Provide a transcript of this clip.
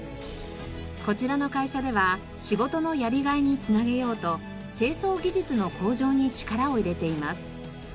こちらの会社では仕事のやりがいにつなげようと清掃技術の向上に力を入れています。